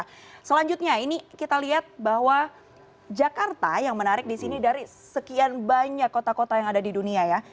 nah selanjutnya ini kita lihat bahwa jakarta yang menarik di sini dari sekian banyak kota kota yang ada di dunia ya